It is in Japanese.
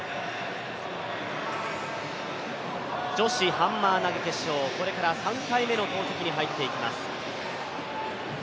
女子ハンマー投決勝、これから３回目の投てきに入っていきます。